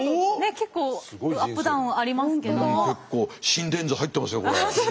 結構心電図入ってますよこれ。